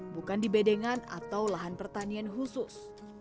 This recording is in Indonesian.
bukan di bedengan atau lahan pertanian khusus